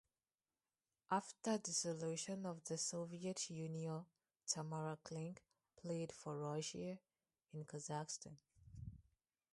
After dissolution of the Soviet Union Tamara Klink played for Russia and Kazakhstan.